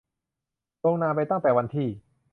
ลงนามไปตั้งแต่วันที่